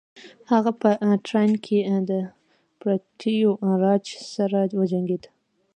هغه په تراین کې د پرتیوي راج سره وجنګید.